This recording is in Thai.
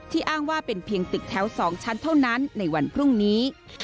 อ้างว่าเป็นเพียงตึกแถว๒ชั้นเท่านั้นในวันพรุ่งนี้